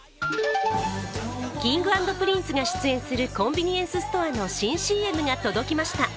Ｋｉｎｇ＆Ｐｒｉｎｃｅが出演するコンビニエンスストアの新ＣＭが届きました。